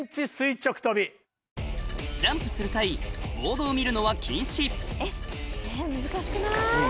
ジャンプする際ボードを見るのは禁止えっ難しくない？